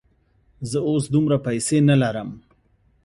زه اوس دومره پیسې نه لرم.